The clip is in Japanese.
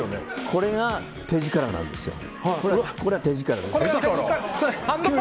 これが手力ですよ。